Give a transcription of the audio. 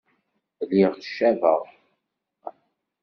Lliɣ cabeɣ.